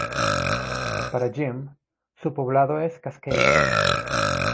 Para Jim, su poblado es Cascade.